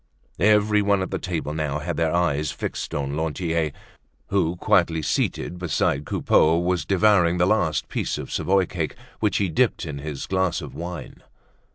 Everyone at the table now had their eyes fixed on Lantier who, quietly seated beside Coupeau, was devouring the last piece of Savoy cake which he dipped in his glass of wine.